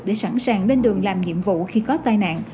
để sẵn sàng lên đường làm nhiệm vụ khi có tai nạn